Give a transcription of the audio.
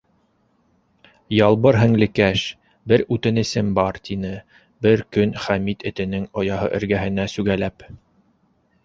-Ялбыр һеңлекәш, бер үтенесем бар, - тине бер көн Хәмит этенең ояһы эргәһенә сүгәләп.